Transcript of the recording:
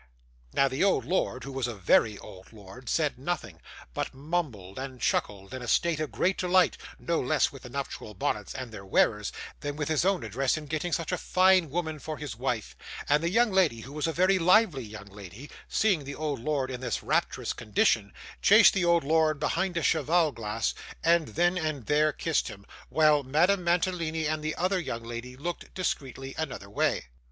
Now, the old lord, who was a VERY old lord, said nothing, but mumbled and chuckled in a state of great delight, no less with the nuptial bonnets and their wearers, than with his own address in getting such a fine woman for his wife; and the young lady, who was a very lively young lady, seeing the old lord in this rapturous condition, chased the old lord behind a cheval glass, and then and there kissed him, while Madame Mantalini and the other young lady looked, discreetly, another way.